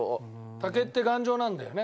竹って頑丈なんだよね。